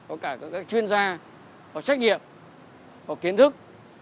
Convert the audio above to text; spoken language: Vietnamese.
có cả các chuyên gia có trách nhiệm có kiến thức